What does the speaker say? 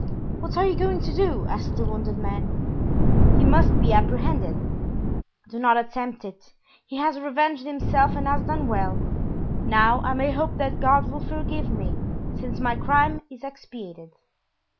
"What are you going to do?" asked the wounded man. "He must be apprehended." "Do not attempt it; he has revenged himself and has done well. Now I may hope that God will forgive me, since my crime is expiated."